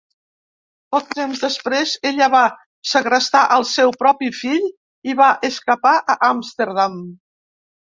Poc temps després, ella va segrestar al seu propi fill i va escapar a Amsterdam.